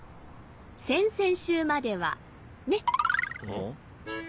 先々週まではね。